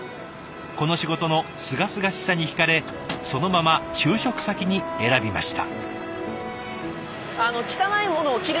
この仕事のすがすがしさにひかれそのまま就職先に選びました。